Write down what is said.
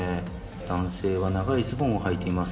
男性は長いズボンをはいています